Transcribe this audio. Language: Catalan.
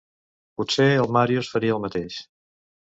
Potser el Màrius faria el mateix.